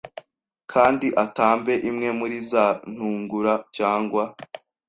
Kandi atambe imwe muri za ntungura cyangwa